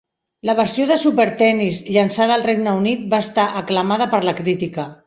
La versió de "Super Tennis" llançada al Regne Unit va estar aclamada per la crítica.